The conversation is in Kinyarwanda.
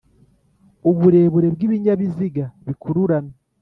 Uburebure bw ibinyabiziga bikururana